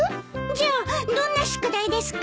じゃあどんな宿題ですか？